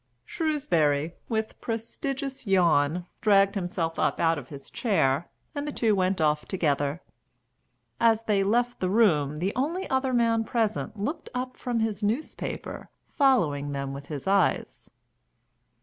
Shrewsbury, with prodigious yawn, dragged himself up out of his chair, and the two went off together. As they left the room the only other man present looked up from his newspaper, following them with his eyes.